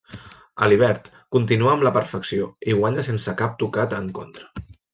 Alibert continua amb la perfecció i guanya sense cap tocat en contra.